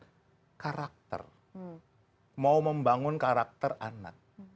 ada karakter mau membangun karakter anak